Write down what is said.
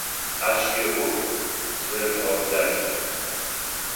Ащ еӀу, зерэмыгъэбзадж.